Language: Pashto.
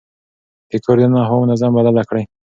د کور دننه هوا منظم بدله کړئ.